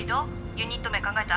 ユニット名考えた？